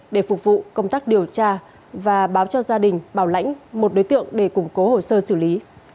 để phục vụ công tác điều tra và báo cho gia đình bảo lãnh một đối tượng để củng cố hồ sơ xử lý